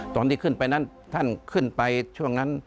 ตอนที่ขึ้นไปนั้นท่านขึ้นไปช่วงนั้น